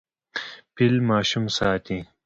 فیل ماشوم ساتي.